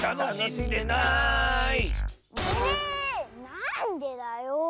なんでだよ。